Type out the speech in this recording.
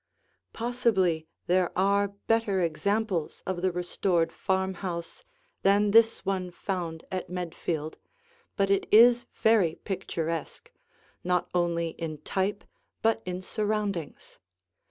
Possibly there are better examples of the restored farmhouse than this one found at Medfield, but it is very picturesque, not only in type but in surroundings.